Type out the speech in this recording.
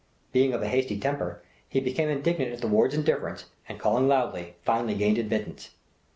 Being of a hasty temper, he became indignant at the ward's indifference, and calling loudly, finally gained admittance.